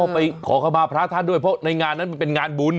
ไปขอเข้ามาพระท่านด้วยเพราะในงานนั้นมันเป็นงานบุญ